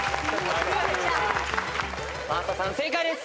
真麻さん正解です。